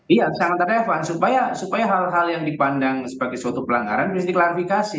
iya sangat relevan supaya hal hal yang dipandang sebagai suatu pelanggaran mesti diklarifikasi